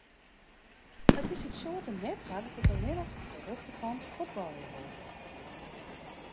It is út soarte net sa dat ik allinne op de rjochterkant fuotbalje wol.